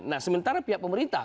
nah sementara pihak pemerintah